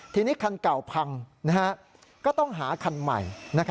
ทีนี้คันเก่าพังก็ต้องหาคันใหม่